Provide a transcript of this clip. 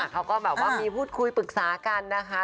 เขาก็แบบว่ามีพูดคุยปรึกษากันนะคะ